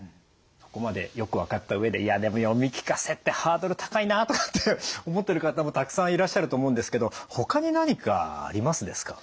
ここまでよく分かった上でいやでも読み聞かせってハードル高いなとかって思ってる方もたくさんいらっしゃると思うんですけどほかに何かありますですか？